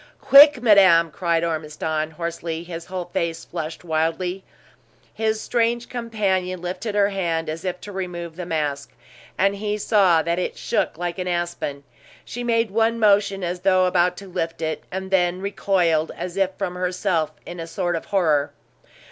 "Quick, madame!" cried Ormiston, hoarsely, his whole face flushed wildly. His strange companion lifted her hand as if to remove the mask, and he saw that it shook like an aspen. She made one motion as though about to lift it, and then recoiled, as if from herself, in a sort of horror.